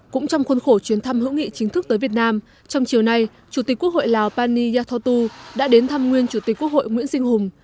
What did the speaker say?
cũng trong khuôn khổ chuyến thăm hữu nghị chính thức tới việt nam trong chiều nay chủ tịch quốc hội lào pani yathotu đã đến thăm nguyên chủ tịch quốc hội nguyễn sinh hùng